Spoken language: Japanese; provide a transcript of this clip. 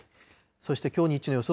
そしてきょう日中の予想